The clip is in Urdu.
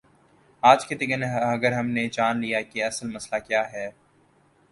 آج کے دن اگر ہم نے جان لیا کہ اصل مسئلہ کیا ہے۔